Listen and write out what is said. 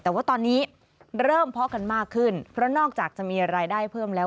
แต่ว่าตอนนี้เริ่มเพาะกันมากขึ้นเพราะนอกจากจะมีรายได้เพิ่มแล้ว